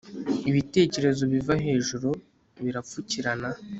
Ibitekerezo biva hejuru birabapfukirana